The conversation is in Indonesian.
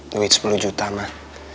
duit sepuluh juta mah